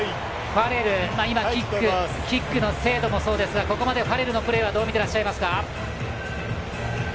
ファレルキックの精度もそうですがここまでファレルのプレーどう見ていますか。